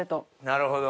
なるほど。